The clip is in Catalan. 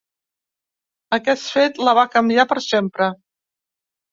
Aquest fet la va canviar per sempre.